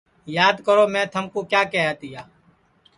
یاد کرو میں تھمکُو کیا کیہیا تیا